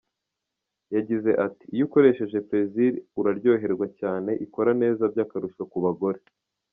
Yagize ati "Iyo ukoresheje Plaisir uraryoherwa cyane, ikora neza by’akarusho ku bagore.